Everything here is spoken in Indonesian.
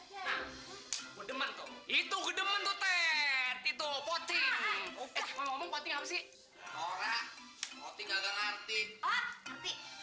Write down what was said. hai nah kedeman tuh itu kedeman tuh teh itu poti ngomong ngomong apa sih